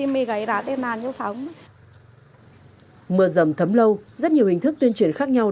mưa dầm thấm lâu rất nhiều hình thức tuyên truyền khác nhau